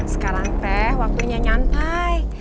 sekarang teh waktunya nyantai